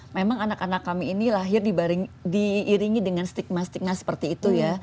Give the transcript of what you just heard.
memang anak anak kami ini lahir diiringi dengan stigma stigma seperti itu ya